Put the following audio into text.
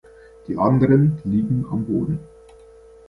Die anderen liegen am Boden.